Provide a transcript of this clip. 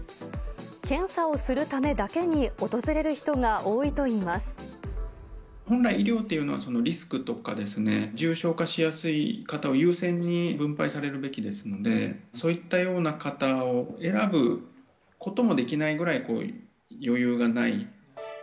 検査をするためだけに訪れる本来、医療っていうのはリスクとか、重症化しやすい方を優先に分配されるべきですので、そういったような方を選ぶこともできないくらい余裕がない。